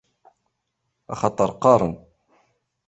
Axaṭer qqaren.